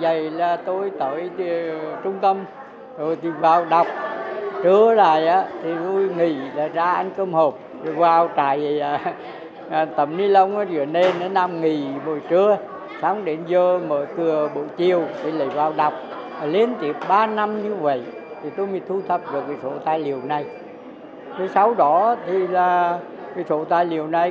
đây là bộ sách đầu tiên nghiên cứu một cách hệ thống về chế độ cai trị của thực dân pháp ở nam kỳ trong gần một trăm linh năm